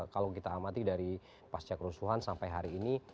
kalau kita amati dari pas cek rusuhan sampai hari ini